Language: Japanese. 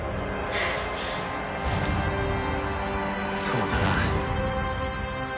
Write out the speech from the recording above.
そうだな。